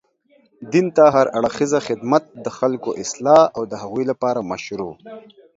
دين ته هر اړخيزه خدمت، د خلګو اصلاح او د هغوی لپاره مشروع